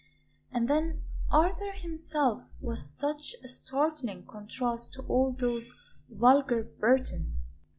And then Arthur himself was such a startling contrast to all those vulgar Burtons.